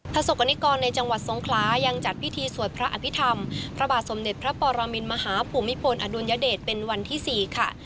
สกรณิกรในจังหวัดทรงคลายังจัดพิธีสวดพระอภิษฐรรมพระบาทสมเด็จพระปรมินมหาภูมิพลอดุลยเดชเป็นวันที่๔ค่ะ